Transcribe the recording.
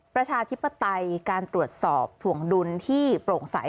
ประชาธิปไตยการตรวจสอบถวงดุลที่โปร่งใส